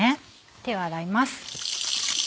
手を洗います。